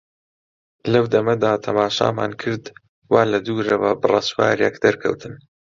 لەو دەمەدا تەماشامان کرد وا لە دوورەوە بڕە سوارێک دەرکەوتن.